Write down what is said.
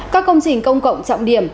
các công trình công cộng trọng điểm